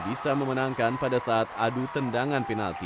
bisa memenangkan pada saat adu tendangan penalti